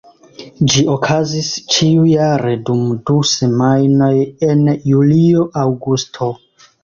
Ĝi okazis ĉiujare dum du semajnoj en julio-aŭgusto.